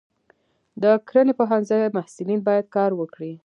د کرنې پوهنځي محصلین باید کار وکړي.